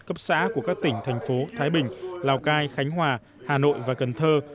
cấp xã của các tỉnh thành phố thái bình lào cai khánh hòa hà nội và cần thơ